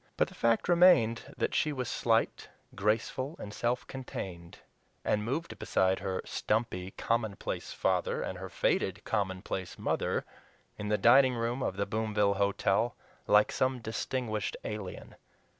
But the fact remained that she was slight, graceful, and self contained, and moved beside her stumpy, commonplace father, and her faded, commonplace mother in the dining room of the Boomville Hotel like some distinguished alien.